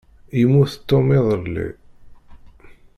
Yemmut Tom iḍelli.